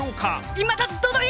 今だどど平！